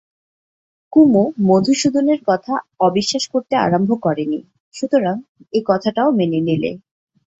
কুমু মধুসূদনের কথা অবিশ্বাস করতে আরম্ভ করে নি, সুতরাং এ কথাটাও মেনে নিলে।